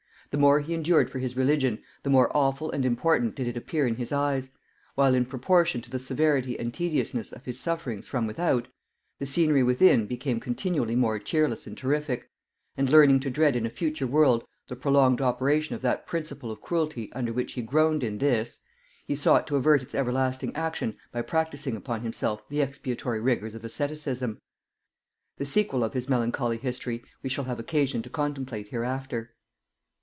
The more he endured for his religion, the more awful and important did it appear in his eyes; while in proportion to the severity and tediousness of his sufferings from without, the scenery within became continually more cheerless and terrific; and learning to dread in a future world the prolonged operation of that principle of cruelty under which he groaned in this, he sought to avert its everlasting action by practising upon himself the expiatory rigors of asceticism. The sequel of his melancholy history we shall have occasion to contemplate hereafter.